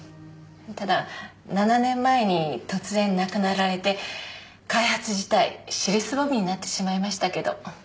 ただ７年前に突然亡くなられて開発自体尻すぼみになってしまいましたけど。